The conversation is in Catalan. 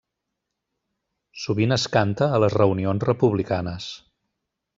Sovint es canta a les reunions republicanes.